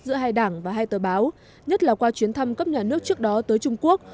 giữa hai đảng và hai tờ báo nhất là qua chuyến thăm cấp nhà nước trước đó tới trung quốc